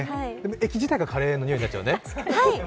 駅自体がカレーの匂いになっちゃうね。